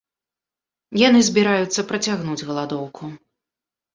Яны збіраюцца працягнуць галадоўку.